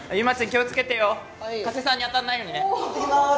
気をつけてよ加瀬さんに当たんないようにねいってきます